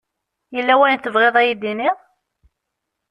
Yella wayen tebɣiḍ ad yi-d-tiniḍ?